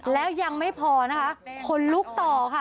แล้วยังไม่พอนะคะคนลุกต่อค่ะ